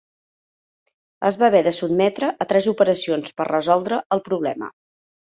Es va haver de sotmetre a tres operacions per resoldre el problema.